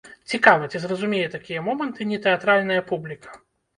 Цікава, ці зразумее такія моманты нетэатральная публіка?